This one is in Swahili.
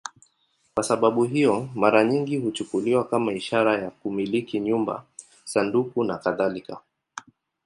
Kwa sababu hiyo, mara nyingi huchukuliwa kama ishara ya kumiliki nyumba, sanduku nakadhalika.